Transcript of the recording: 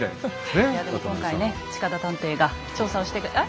いやでも今回ね近田探偵が調査をしてくれえ？